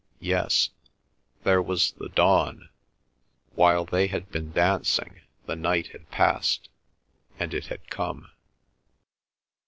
Yes—there was the dawn. While they had been dancing the night had passed, and it had come.